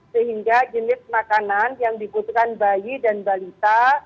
sehingga jenis makanan yang dibutuhkan bayi dan balita